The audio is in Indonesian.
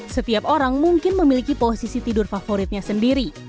setiap orang mungkin memiliki posisi tidur favoritnya sendiri